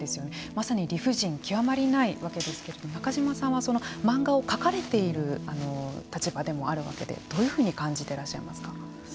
まさに理不尽きわまりないわけですけれども中島さんは漫画を描かれている立場でもあるわけでどういうふうに感じてらっしゃいますか。